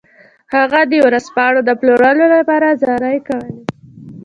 هغه د ورځپاڼو د پلورلو لپاره زارۍ کولې.